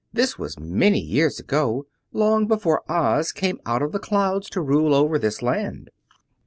This was many years ago, long before Oz came out of the clouds to rule over this land.